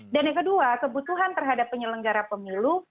dan yang kedua kebutuhan terhadap penyelenggara pemilu